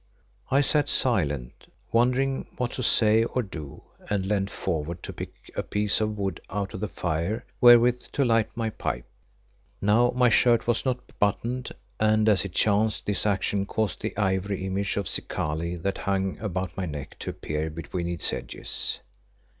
I sat silent, wondering what to say or do and leant forward to pick a piece of wood out of the fire wherewith to light my pipe. Now my shirt was not buttoned and as it chanced this action caused the ivory image of Zikali that hung about my neck to appear between its edges.